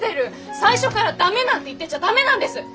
最初から駄目なんて言ってちゃ駄目なんです！